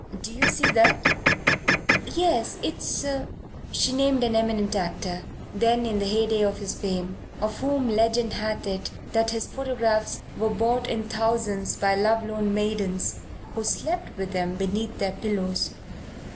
"Do you see that?" "Yes. It's " She named an eminent actor, then in the heyday of his fame, of whom legend hath it that his photographs were bought in thousands by love lorn maidens who slept with them beneath their pillows.